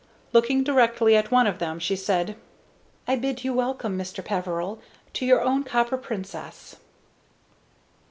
Looking directly at one of them, she said: "I bid you welcome, Mr. Peveril, to your own Copper Princess."